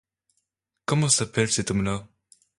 Comment s’appelle cet homme-là?